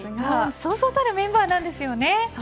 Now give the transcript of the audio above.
そうそうたるメンバーなんですよね。